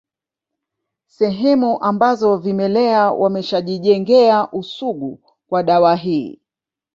Sehemu ambazo vimelea wameshajijengea usugu kwa dawa hii